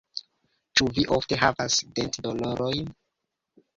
Ĉu vi ofte havas dentdolorojn?